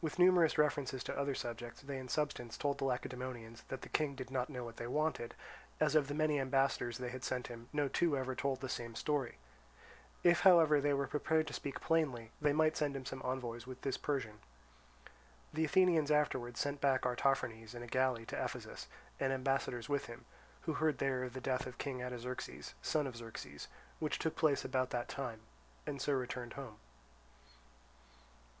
With numerous references to other subjects, they in substance told the Lacedaemonians that the King did not know what they wanted, as of the many ambassadors they had sent him no two ever told the same story; if however they were prepared to speak plainly they might send him some envoys with this Persian. The Athenians afterwards sent back Artaphernes in a galley to Ephesus, and ambassadors with him, who heard there of the death of King Artaxerxes, son of Xerxes, which took place about that time, and so returned home.